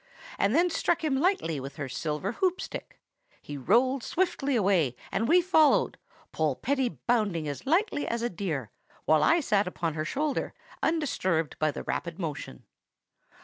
—and then struck him lightly with her silver hoop stick; he rolled swiftly away, and we followed, Polpetti bounding as lightly as a deer, while I sat upon her shoulder, undisturbed by the rapid motion.